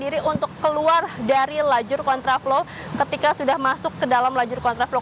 diri untuk keluar dari lajur kontraflow ketika sudah masuk ke dalam lajur kontraflow